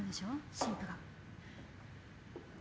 新婦が。